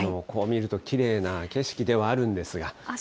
こう見るときれいな景色ではあるんですが。